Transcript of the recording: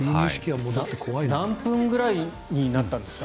何分ぐらいになったんですか？